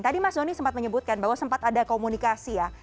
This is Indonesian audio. tadi mas doni sempat menyebutkan bahwa sempat ada komunikasi ya